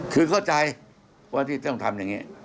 คือเข้าใจว่าที่ต้องทำอย่างนี้